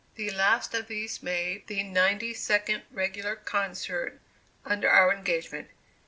The last of these made the ninety second regular concert under our engagement.